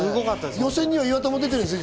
予選には実は岩田も出てたんですよ。